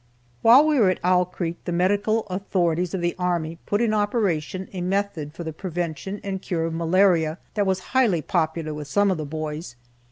While we were at Owl creek the medical authorities of the army put in operation a method for the prevention and cure of malaria that was highly popular with some of the boys.